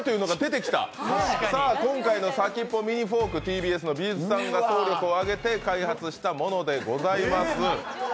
今回の先っぽミニフォークＴＢＳの美術さんが総力を挙げて開発したものでございます。